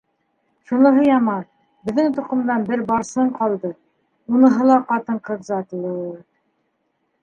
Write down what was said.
Шуныһы яман - беҙҙең тоҡомдан бер Барсын ҡалды, уныһы ла ҡатын-ҡыҙ затлы...